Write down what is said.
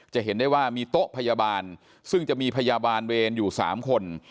จะเห็นได้ว่ามีโต๊ะพยาบาลซึ่งจะมีพยาบาลเวรอยู่๓คน